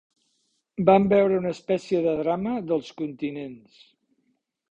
Van veure una especie de drama dels continents.